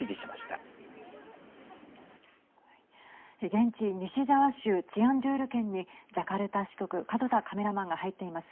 現地、西ジャワ州チアンジュール県にジャカルタ支局門田カメラマンが入っています。